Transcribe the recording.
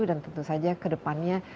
dan tentu saja kedepannya